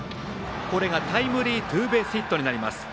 これがタイムリーツーベースヒットになります。